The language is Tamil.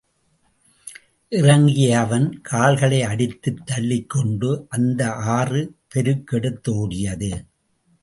இறங்கிய அவன் கால்களை அடித்துத் தள்ளிக் கொண்டு அந்த ஆறு பெருக்கெடுத்தோடியது.